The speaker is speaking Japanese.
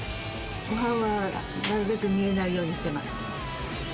ごはんはなるべく見えないようにしてます。